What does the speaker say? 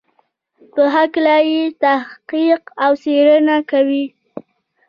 په هکله یې تحقیق او څېړنه کوي.